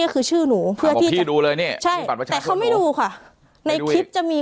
เค้าก็ไม่สนใจ